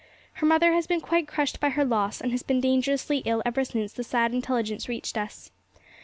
Her mother has been quite crushed by her loss, and has been dangerously ill ever since the sad intelligence reached us.